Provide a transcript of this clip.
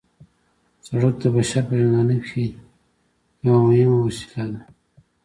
سرک د بشر په ژوندانه کې یوه مهمه وسیله ده